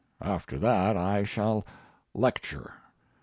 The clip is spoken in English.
After that I shall lecture.